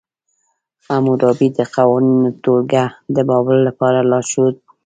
حموربي د قوانینو ټولګه د بابل لپاره لارښود وه.